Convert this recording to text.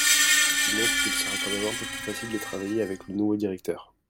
ce qui montre qu'il sera quand même un peu plus facile de travailler avec le nouveau directeur.